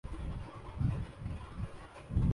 میری گھڑی پیچھے ہے